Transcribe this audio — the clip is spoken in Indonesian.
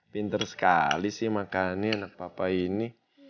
pinter sekali sih makannya enak papa ini